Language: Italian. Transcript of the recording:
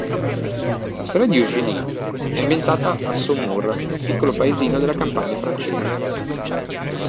La storia di Eugénie è ambientata a Saumur, piccolo paesino della campagna francese.